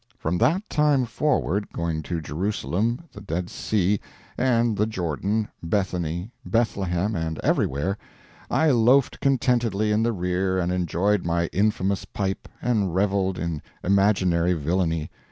From that time forward, going to Jerusalem, the Dead Sea, and the Jordan, Bethany, Bethlehem, and everywhere, I loafed contentedly in the rear and enjoyed my infamous pipe and revelled in imaginary villany.